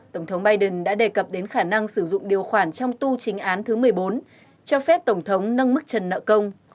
tổng thống biden đã đề cập đến khả năng sử dụng điều khoản trong tu chính án thứ một mươi bốn cho phép tổng thống nâng mức trần nợ công